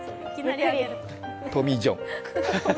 トミー・ジョン。